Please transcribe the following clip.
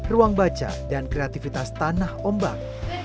ruang baca dan kreativitas tanah ombak